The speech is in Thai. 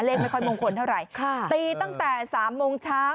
เล่นไม่ค่อยมงขนเท่าไหร่ตีตั้งแต่๓โมงเช้า